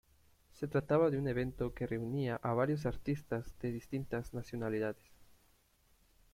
Se trataba de un evento que reunía a varios artistas de distintas nacionalidades.